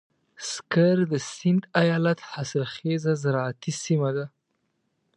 سکر د سيند ايالت حاصلخېزه زراعتي سيمه ده.